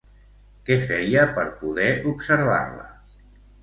Què feia per poder observar-la?